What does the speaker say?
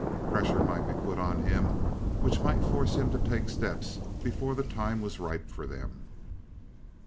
Pressure might be put on him which might force him to take steps before the time was ripe for them.